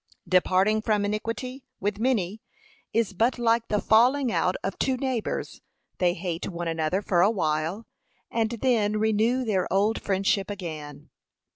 Departing from iniquity, with many, is but like the falling out of two neighbours, they hate one another for a while, and then renew their old friendship again.